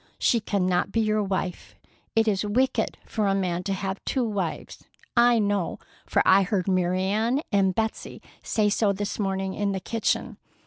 She cannot be your wife. It is wicked for a man to have two wives. I know, for I heard Mary Ann and Betsey say so this morning in the kitchen.